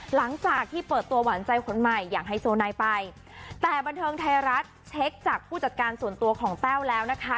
หลังจากที่เปิดตัวหวานใจคนใหม่อย่างไฮโซไนไปแต่บันเทิงไทยรัฐเช็คจากผู้จัดการส่วนตัวของแต้วแล้วนะคะ